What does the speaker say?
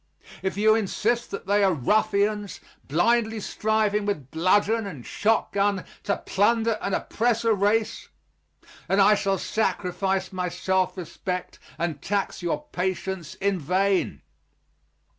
If you insist that they are ruffians, blindly striving with bludgeon and shotgun to plunder and oppress a race, then I shall sacrifice my self respect and tax your patience in vain.